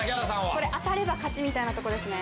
これ当たれば勝ちみたいなとこですね。